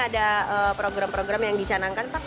ada program program yang dicanangkan pak